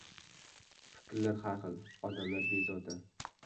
Fikrlar har xil. Odamlar bezovta…